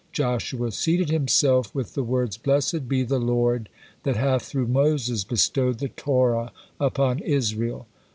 Joshua seated himself with the words, "Blessed be the Lord that hath through Moses bestowed the Torah upon Israel."